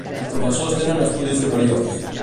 Els professors tenen estudis superiors.